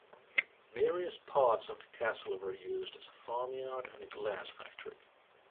Various parts of the castle were used as a farmyard and a glass factory.